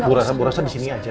bu rasa bu rasa di sini aja